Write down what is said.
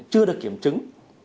chưa được kiểm chứng